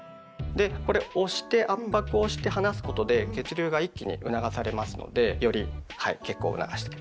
でこれ押して圧迫をして離すことで血流が一気に促されますのでより血行を促していきます。